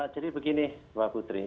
jadi begini mbak putri